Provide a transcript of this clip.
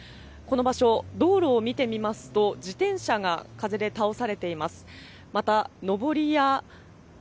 この場所、道路を見てみますと自転車が風で倒されています。